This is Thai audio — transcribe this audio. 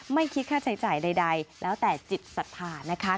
ไม่คิดค่าใช้จ่ายใดแล้วแต่จิตศรัทธานะคะ